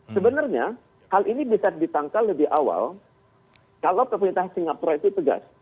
sebenarnya hal ini bisa ditangkal lebih awal kalau pemerintah singapura itu tegas